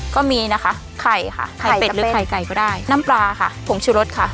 ก็มีนะคะไข่ค่ะไข่เป็ดหรือไข่ไก่ก็ได้น้ำปลาค่ะผงชุรสค่ะ